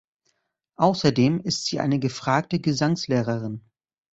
Außerdem ist sie eine gefragte Gesangslehrerin.